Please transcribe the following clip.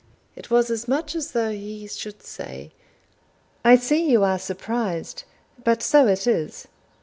It was as much as though he should say, "I see you are surprised, but so it is."